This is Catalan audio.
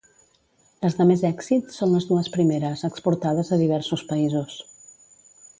Les de més èxit són les dues primeres, exportades a diversos països.